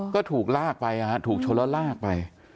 ก็ถูกลากไปถูกชนแล้วลากไป